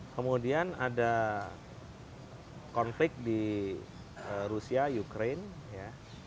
kemudian ada konflik di rusia ukraine ya